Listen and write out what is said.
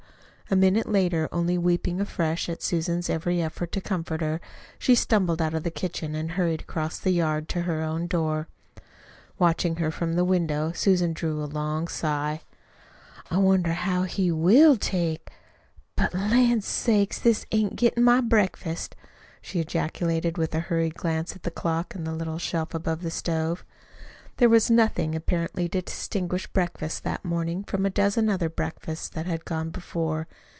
A minute later, only weeping afresh at Susan's every effort to comfort her, she stumbled out of the kitchen and hurried across the yard to her own door. Watching her from the window, Susan drew a long sigh. "I wonder how he WILL take But, lan' sakes, this ain't gettin' my breakfast," she ejaculated with a hurried glance at the clock on the little shelf over the stove. There was nothing, apparently, to distinguish breakfast that morning from a dozen other breakfasts that had gone before.